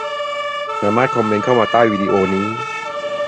สามารถคอมเมนต์เข้ามาใต้วิดีโอนี้